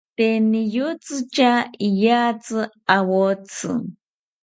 Tee niyotzi tya iyatzi awotzi